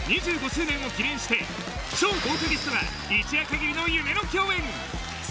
２５周年を記念して、超豪華ゲストが一夜限りの夢の共演。